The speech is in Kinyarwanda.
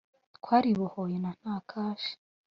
Twaribohoye na Nta cash